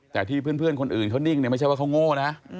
แต่ที่เพื่อนคนอื่นเขานิ่งเนี่ยไม่ใช่ว่าเขาโง่นะ